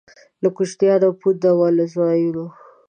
له کوچیانو پونده وو له ځایوالو.